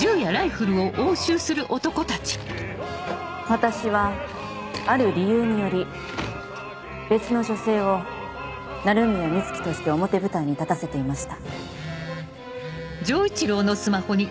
私はある理由により別の女性を鳴宮美月として表舞台に立たせていました。